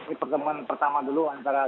ini pertemuan pertama dulu antara